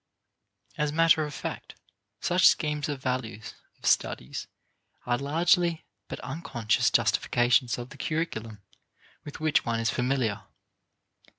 As matter of fact, such schemes of values of studies are largely but unconscious justifications of the curriculum with which one is familiar.